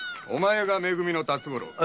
「め組」の辰五郎か。